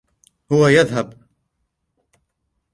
هو يذهب